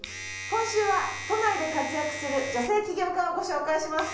今週は都内で活躍する女性起業家をご紹介します。